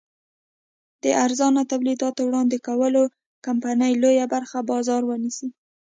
د ارزانه تولیداتو وړاندې کولو کمپنۍ لویه برخه بازار ونیسي.